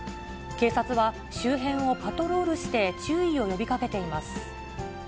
警察は周辺をパトロールして注意を呼びかけています。